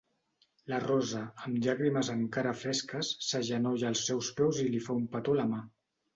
La Rosa, amb llàgrimes encara fresques, s'agenolla als seus peus i li fa un petó a la mà.